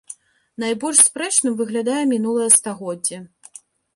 Найбольш спрэчным выглядае мінулае стагоддзе.